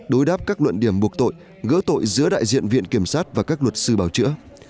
đối đáp các luận điểm buộc tội gỡ tội giữa đại diện viện kiểm sát và các luật sư bảo chữa